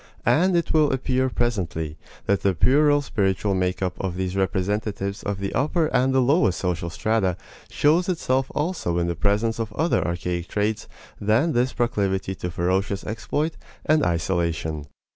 And it will appear presently that the puerile spiritual make up of these representatives of the upper and the lowest social strata shows itself also in the presence of other archaic traits than this proclivity to ferocious exploit and isolation.